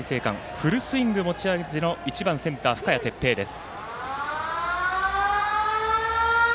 フルスイング持ち味の１番、センターの深谷哲平です。